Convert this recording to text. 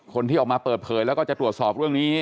คนที่ออกมาเปิดเผยแล้วก็จะตรวจสอบเรื่องนี้